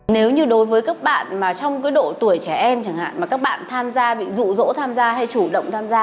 nếu như đối với các bạn mà trong cái độ tuổi trẻ em chẳng hạn mà các bạn tham gia bị rụ rỗ tham gia hay chủ động tham gia